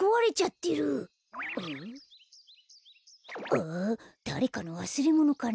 あだれかのわすれものかな？